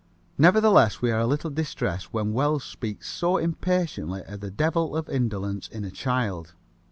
Nevertheless, we are a little distressed when Wells speaks so impatiently of the devil of indolence in a child.